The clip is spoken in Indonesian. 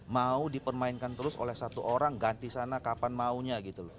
mau dipermainkan terus oleh satu orang ganti sana kapan maunya gitu loh